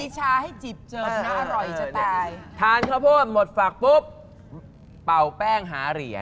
จะหยุดนะอร่อยจะตาย